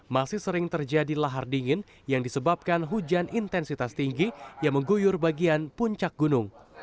masih sering terjadi lahar dingin yang disebabkan hujan intensitas tinggi yang mengguyur bagian puncak gunung